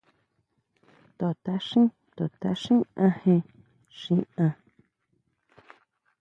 To tʼaxín, to tʼaxín ajen xi an.